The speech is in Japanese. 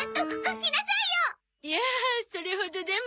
いやそれほどでも。